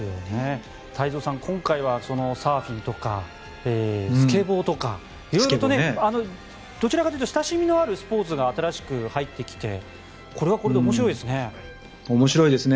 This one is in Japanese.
太蔵さん、今回はサーフィンとかスケボーとか、色々とどちらかというと親しみのあるスポーツが新しく入ってきてこれはこれで面白いですね。